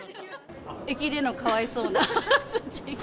駅でのかわいそうな。